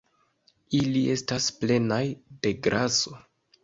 Ili estas plenaj de graso